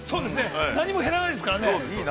◆何も減らないですからね。